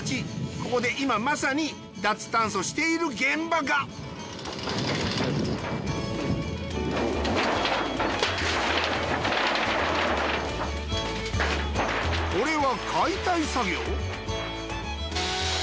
ここで今まさに脱炭素している現場がこれは解体作業？